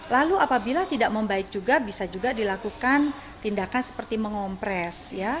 lalu apabila tidak membaik juga bisa juga dilakukan tindakan seperti mengompres